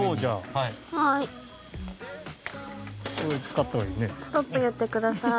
はい。